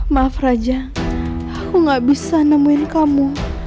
maaf raja aku gak bisa nemuin kamu